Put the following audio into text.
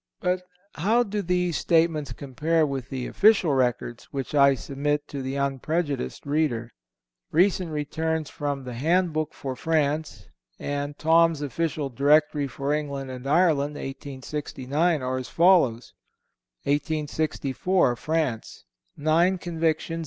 But how do these statements compare with the official records which I submit to the unprejudiced reader? Recent returns from the "Hand Book" for France, and "Thom's Official Directory for England and Ireland, 1869," are as follows: Convictions (and Executions.